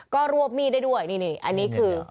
ก็รวบมีดได้ด้วยนี่อันนี้คือ